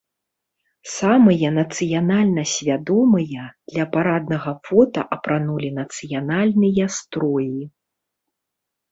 Самыя нацыянальна свядомыя для параднага фота апранулі нацыянальныя строі.